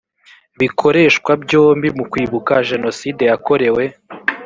bikoreshwa byombi mu kwibuka jenoside yakorewe